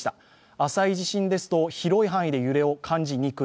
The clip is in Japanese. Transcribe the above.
浅い地震ですと広い範囲で揺れを感じにくい。